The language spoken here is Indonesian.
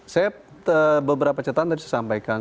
saya beberapa catatan tadi saya sampaikan